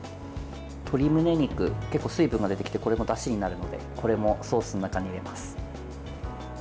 鶏むね肉、結構水分が出てきてこれもだしになるのでこれもソースの中に入れます。